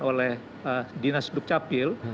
oleh dinas duk capil